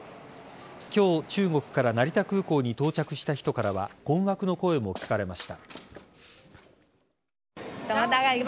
今日、中国から成田空港に到着した人からは困惑の声も聞かれました。